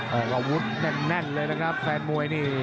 ออกอาวุธแน่นเลยนะครับแฟนมวยนี่